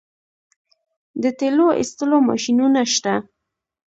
د تیلو ایستلو ماشینونه شته